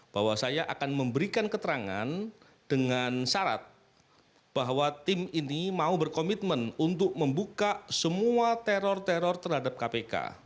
bahwa saya akan memberikan keterangan dengan syarat bahwa tim ini mau berkomitmen untuk membuka semua teror teror terhadap kpk